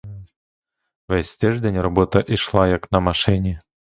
Весь тиждень робота ішла як на машині.